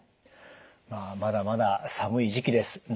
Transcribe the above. まあまだまだ寒い時期です。